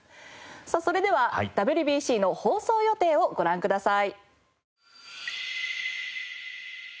さあそれではＷＢＣの放送予定をご覧ください。